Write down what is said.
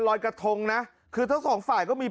รอยกระทงนะคือทั้งสองฝ่ายก็มี